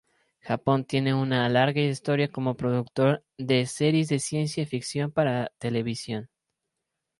Japón tiene una larga historia como productor de series de ciencia ficción para televisión.